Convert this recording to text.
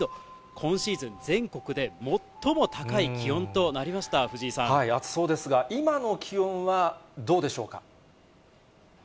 今シーズン全国で最も高い気温と暑そうですが、今の気温はどうでしょうか。